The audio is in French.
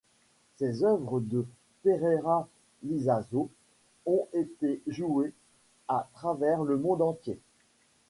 Les œuvres de Pereyra-Lizaso ont été jouées à travers le monde entier.